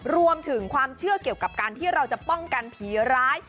รวมถึงความเชื่อเกี่ยวกับการที่เราจะป้องกันผีร้าย